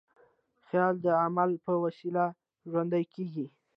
خیال د عمل په وسیله ژوندی کېږي.